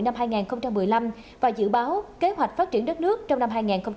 năm hai nghìn một mươi năm và dự báo kế hoạch phát triển đất nước trong năm hai nghìn hai mươi